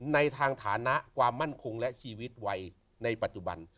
ในทางฐานะความมั่นคงและชีวิตวัยในปัจจุบัน